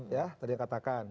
ya tadi yang katakan